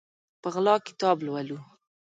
په غلا کتاب لولو